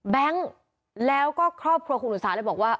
แล้วก็ครอบครัวคุณอุตสาเลยบอกว่า